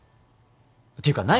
ていうか何？